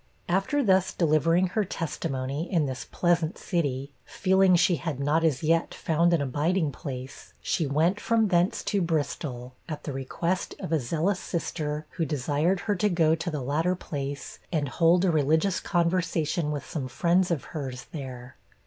After thus delivering her testimony in this pleasant city, feeling she had not as yet found an abiding place, she went from thence to Bristol, at the request of a zealous sister, who desired her to go to the latter place, and hold a religious conversation with some friends of hers there.